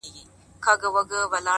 ستا څخه ډېر تـنگ؛